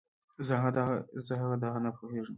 زه هغه دغه نه پوهېږم.